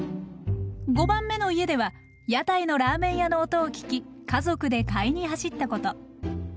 ５番目の家では屋台のラーメン屋の音を聞き家族で買いに走ったこと。